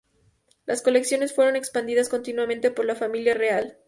Las colecciones fueron expandidas continuamente por la familia real.